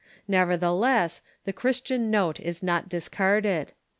Never theless, the Christian note is not discarded.